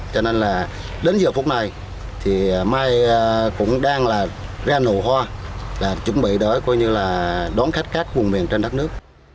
cho nên là đến giờ phút này thì mai cũng đang là ra hồ hoa là chuẩn bị đỡ coi như là đón khách các vùng miền trên đất nước